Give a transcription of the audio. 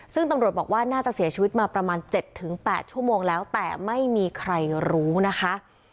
ซึ่งตำรวจบอกว่าน่าจะเสียชีวิตมาประมาณ๗๘ชั่วโมงแล้วแต่ไม่มีใครรู้นะคะ